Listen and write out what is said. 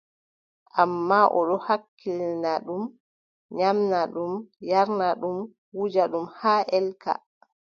Ammaa o ɗon hakkilani ɗum, nyaamna ɗum, yarna ɗum, wuja ɗum haa ɗelka.